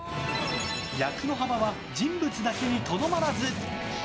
役の幅は人物だけにとどまらず。